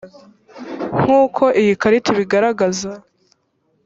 nk uko iyi karita ibigaragaza